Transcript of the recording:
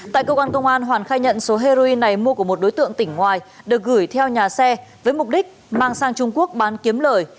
tại cơ quan công an hoàn khai nhận số heroin này mua của một đối tượng tỉnh ngoài được gửi theo nhà xe với mục đích mang sang trung quốc bán kiếm lời